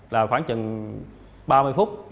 là khoảng chừng ba mươi phút